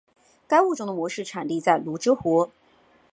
该物种的模式产地在芦之湖。